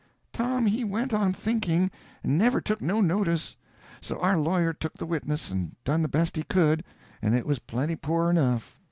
Tom he went on thinking, and never took no notice; so our lawyer took the witness and done the best he could, and it was plenty poor enough.